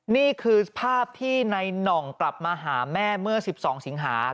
นี่คือภาพที่ในหน่องกลับมาหาแม่เมื่อ๑๒สิงหา